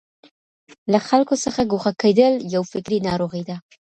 له خلګو څخه ګوښه کېدل يو فکري ناروغي ده.